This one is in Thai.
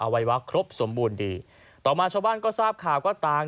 วัยวะครบสมบูรณ์ดีต่อมาชาวบ้านก็ทราบข่าวก็ต่าง